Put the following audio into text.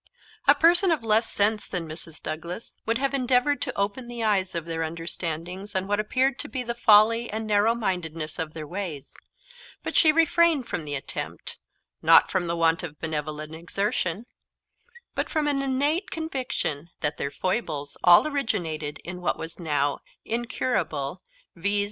A person of less sense than Mrs. Douglas would have endeavoured to open the eyes of their understandings on what appeared to be the folly and narrow mindedness of their ways; but she refrained from the attempt, not from want of benevolent exertion, but from an innate conviction that their foibles all originated in what was now incurable, viz.